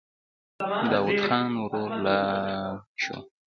داوود خان ورو ولاړ شو.